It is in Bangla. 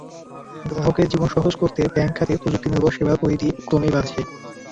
গ্রাহকের জীবন সহজ করতে ব্যাংক খাতে প্রযুক্তিনির্ভর সেবার পরিধি ক্রমেই বাড়ছে।